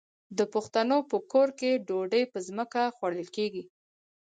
د پښتنو په کور کې ډوډۍ په ځمکه خوړل کیږي.